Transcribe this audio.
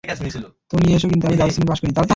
তো নিয়ে এসো -কিন্তু, আমি দ্বাদশ শ্রেণী পাশ করিনি।